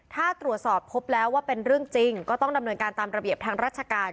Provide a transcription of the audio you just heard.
ถ้าตรวจสอบพบแล้วว่าเป็นเรื่องจริงก็ต้องดำเนินการตามระเบียบทางราชการ